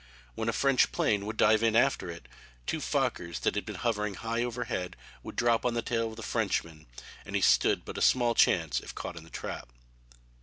When a French plane would dive after it, two Fokkers, that had been hovering high overhead, would drop on the tail of the Frenchman and he stood but small chance if caught in the trap.